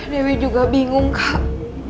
dewi juga bingung kak